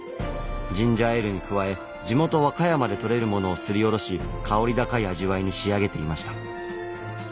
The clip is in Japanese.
ジンジャーエールに加え地元和歌山でとれるものをすりおろし薫り高い味わいに仕上げていました。